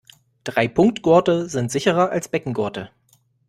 Dreipunktgurte sind sicherer als Beckengurte.